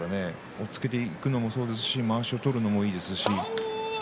押っつけていくのもそうですしまわしを取るのもいいですし。